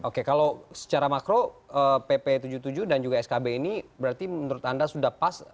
oke kalau secara makro pp tujuh puluh tujuh dan juga skb ini berarti menurut anda sudah pas